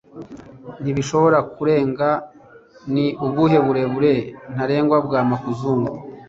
ntibushobora kurenga m ni ubuhe burebure ntarengwa bwo makuzugu